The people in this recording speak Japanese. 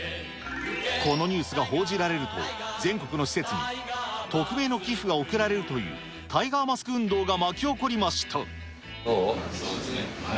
このニュースが報じられると、全国の施設に匿名の寄付が送られるというタイガーマスク運動が巻どう？